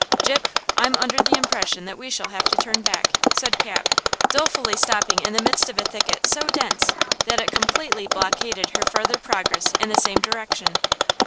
"Gyp, I'm under the impression that we shall have to turn back yet!" said Cap, dolefully stopping in the midst of a thicket so dense that it completely blockaded her farther progress in the same direction.